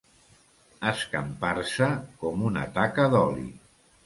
Escampar-se com una taca d'oli.